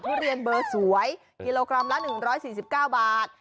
ทุเรียนเบอร์สวยกิโลกรัมละ๑๔๙บาท